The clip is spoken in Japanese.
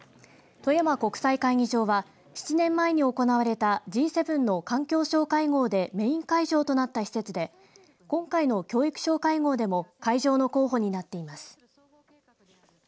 富山国際会議場は７年前に行われたＧ７の環境相会合でメイン会場となった施設で今回の教育相会合でも会場の候補になっています。